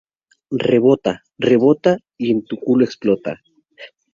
Rebota, rebota y en tu culo explota